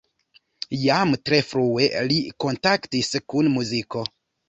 Jam tre frue li kontaktis kun muziko.